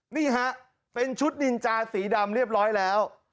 นี่ฮะเป็นชุดนินจาสีดำเรียบร้อยแล้ว